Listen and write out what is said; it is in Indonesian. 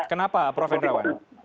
kenapa prof vendrawan